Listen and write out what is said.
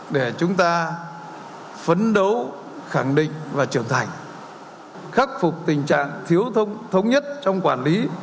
để chúng ta phấn đấu khẳng định và trưởng thành khắc phục tình trạng thiếu thống nhất trong quản lý